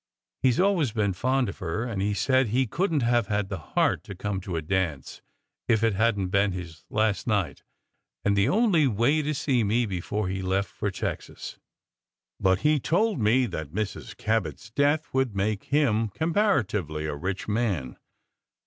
He s always been fond of her, and he said he couldn t have had the heart to come to a dance, if it hadn t been his last night, and the only way to see me before he left for Texas. But he told me that Mrs. Cabot s death would make him comparatively a rich man.